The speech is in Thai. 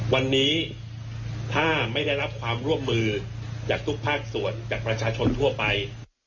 วันนี้ถ้าไม่ได้รับความร่วมมือจากทุกภาคส่วนจากประชาชนทั่วไป